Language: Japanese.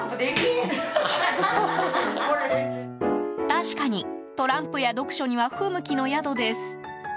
確かに、トランプや読書には不向きの宿です。